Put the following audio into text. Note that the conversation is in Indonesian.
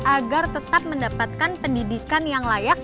agar tetap mendapatkan pendidikan yang layak